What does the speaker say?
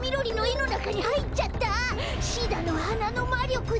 シダのはなのまりょくで。